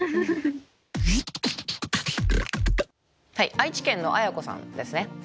愛知県のあやこさんですね。